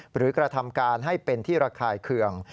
กระทำการให้เป็นที่ระคายเคือง